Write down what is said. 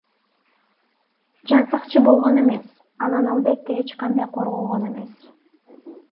Жансакчы болгон эмес, анан албетте эч кандай корголгон эмес.